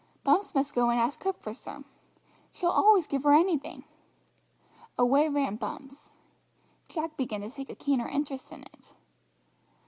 "Bumps must go and ask cook for some; she'll always give her anything." Away ran Bumps. Jack began to take a keener interest in it.